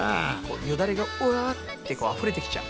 よだれがわってあふれてきちゃう。